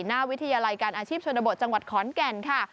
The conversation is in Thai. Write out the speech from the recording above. วิทยาลัยการอาชีพชนบทจังหวัดขอนแก่นค่ะ